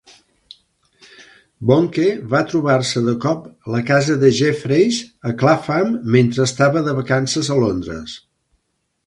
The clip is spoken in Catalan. Bonnke va trobar-se de cop la casa de Jeffreys a Clapham mentre estava de vacances a Londres.